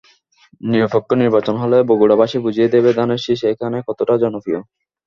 নিরপেক্ষ নির্বাচন হলে বগুড়াবাসী বুঝিয়ে দেবে ধানের শীষ এখানে কতটা জনপ্রিয়।